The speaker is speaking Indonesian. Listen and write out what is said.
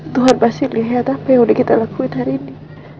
tuhan pasti lihat apa yang udah kita lakuin hari ini